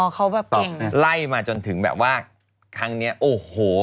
เขาแบบเก่งไล่มาจนถึงแบบว่าครั้งนี้โอ้โห